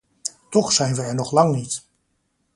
Toch zijn we er nog lang niet.